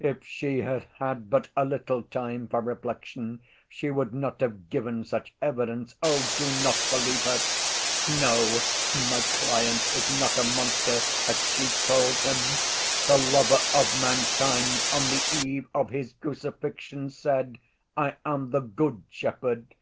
If she had had but a little time for reflection she would not have given such evidence. Oh, do not believe her! No, my client is not a monster, as she called him! "The Lover of Mankind on the eve of His Crucifixion said: 'I am the Good Shepherd.